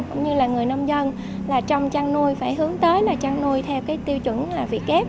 cũng như là người nông dân là trong chăn nuôi phải hướng tới là chăn nuôi theo cái tiêu chuẩn là vị kép